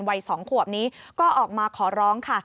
วัย๒ขวบนี้ก็ออกมาขอร้องค่ะ